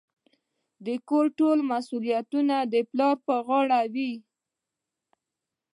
د کور ټول مسوليتونه د پلار په غاړه وي.